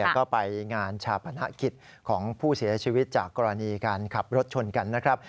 ก็ไปงานชาปนกิจของผู้เสียชีวิตจากกรณีการขับรถชนกันนะครับ